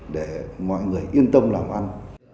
để mọi người yên tâm làm ăn